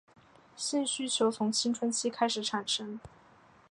性需求从青春期开始产生。